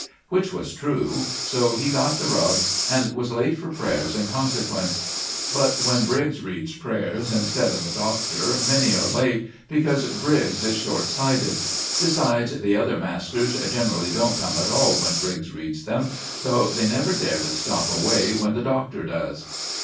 Which was true. So he got the rug, and was late for prayers in consequence; but when Briggs reads prayers instead of the Doctor, many are late, because Briggs is short sighted. Besides, the other masters generally don't come at all when Briggs reads them, though they never dare to stop away when the Doctor does.